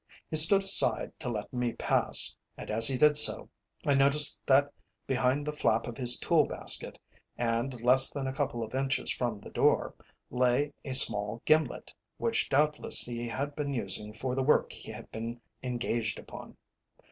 He stood aside to let me pass, and as he did so, I noticed that behind the flap of his tool basket, and less than a couple of inches from the door, lay a small gimlet, which doubtless he had been using for the work he had been engaged upon.